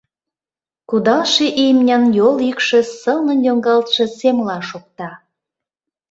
Кудалше имньын йол йӱкшӧ сылнын йоҥгалтше семла шокта.